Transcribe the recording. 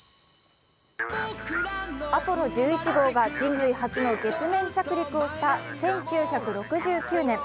アポロ１１号が人類初の月面着陸をした１９６９年。